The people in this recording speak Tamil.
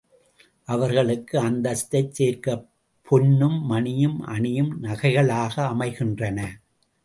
அவர்களுக்கு அந்தஸ்தைச் சேர்க்கப் பொன்னும் மணியும் அணியும் நகைகளாக அமைகின்றன.